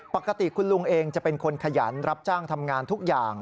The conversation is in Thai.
ปกติคุณลุงเองจะเป็นคนขยันรับจ้างทำงานทุกอย่าง